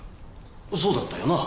そうだったよなあ？